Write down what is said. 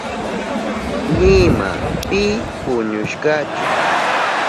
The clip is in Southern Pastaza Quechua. Nima pi puñushkachu.